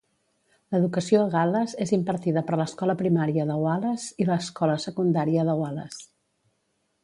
L'educació a Gal·les és impartida per l'escola primària de Wales i l'escola secundària de Wales.